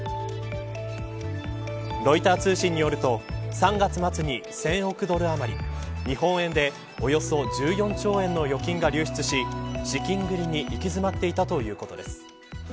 ロイター通信によると３月末に１０００億ドル余り日本円でおよそ１４兆円の預金が流出し資金繰りに行き詰まっていたということです。